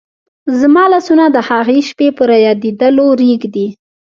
زما لاسونه د هغې شپې په رایادېدلو رېږدي.